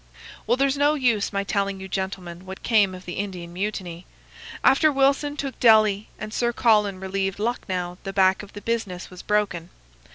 "Well, there's no use my telling you gentlemen what came of the Indian mutiny. After Wilson took Delhi and Sir Colin relieved Lucknow the back of the business was broken.